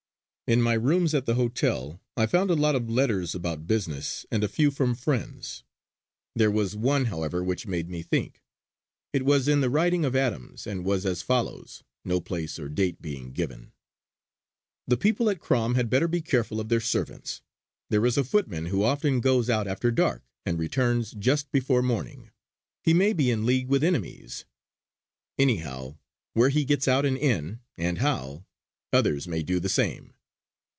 In my rooms at the hotel I found a lot of letters about business, and a few from friends. There was one however which made me think. It was in the writing of Adams, and was as follows, no place or date being given: "The people at Crom had better be careful of their servants! There is a footman who often goes out after dark and returns just before morning. He may be in league with enemies. Anyhow, where he gets out and in, and how, others may do the same.